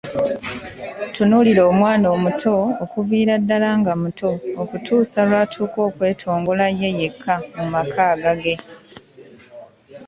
Tunuulira omwana omuto, okuviira ddala nga muto, okutuusa lwatuuka okwetongola ye yekka mu maka agage.